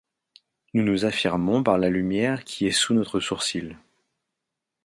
Nous nous affirmons par la lumière qui est sous notre sourcil.